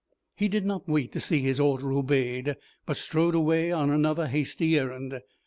He did not wait to see his order obeyed, but strode away on another hasty errand.